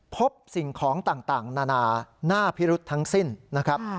พบสิ่งของต่างนานาหน้าพิรุษทั้งสิ้นนะครับ